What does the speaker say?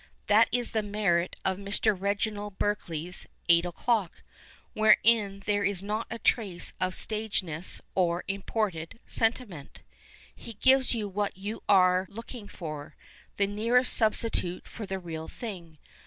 That is the merit of Mr. Reginald Berkeley's Eight o'clock, wherein there is not a trace of stagincss or imported sentiment. He gives you what you arc looking for, the nearest substitute for the real thing.